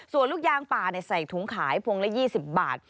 ส่วนลูกยางป่าใส่ถุงขายพวงละ๒๐บาท